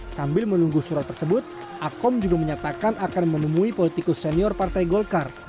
sambil menunggu surat tersebut akom juga menyatakan akan menemui politikus senior partai golkar